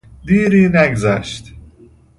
دیری نگذاشت